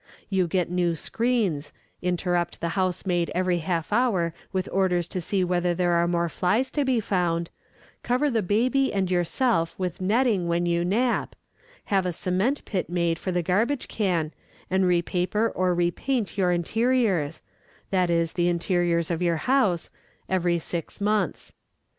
You get new screens, interrupt the housemaid every half hour with orders to see whether there are more flies to be found, cover the baby and yourself with netting when you nap, have a cement pit made for the garbage can, and repaper or repaint your interiors that is, the interiors of your house every six months.